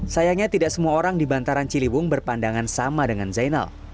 sayangnya tidak semua orang di bantaran ciliwung berpandangan sama dengan zainal